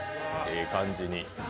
ええ感じに。